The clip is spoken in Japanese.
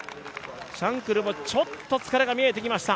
シャンクルもちょっと疲れが見えてきました